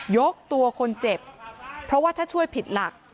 ยกตัวคนเจ็บเพราะว่าถ้าช่วยผิดหลัก